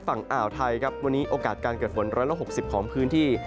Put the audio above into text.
ฝั่งอ่าวไทยวันนี้อวการการเกิดฝน๑๖๐พื้นที่